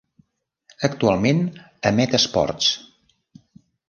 Actualment emet esports.